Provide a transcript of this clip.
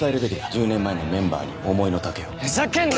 １０年前のメンバーに思いの丈をふざけんな！